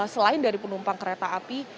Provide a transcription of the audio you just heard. selain dari penumpang kereta api